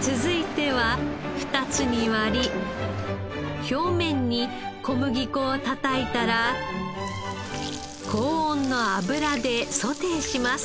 続いては２つに割り表面に小麦粉をたたいたら高温の油でソテーします。